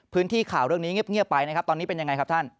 ข่าวเรื่องนี้เงียบไปนะครับตอนนี้เป็นยังไงครับท่าน